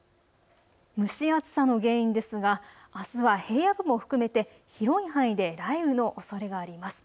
蒸し暑さの原因ですがあすは平野部も含めて広い範囲で雷雨のおそれがあります。